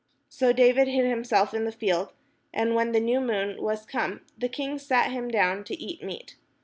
So David hid himself in the field: and when the new moon was come, the king sat him down to eat meat.